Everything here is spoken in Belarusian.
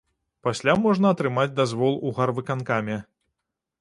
Пасля можна атрымаць дазвол у гарвыканкаме.